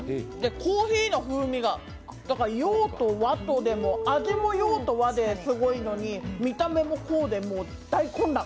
コーヒーの風味が、だから洋と和でも、味も洋と和ですごいのに、見た目もこうで大混乱！